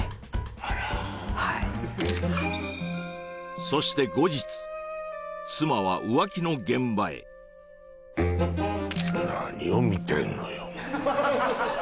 あらはいそして後日妻は浮気の現場へ何を見てんのよ？